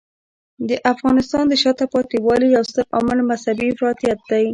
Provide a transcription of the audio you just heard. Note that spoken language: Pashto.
د افغانستان د شاته پاتې والي یو ستر عامل مذهبی افراطیت دی.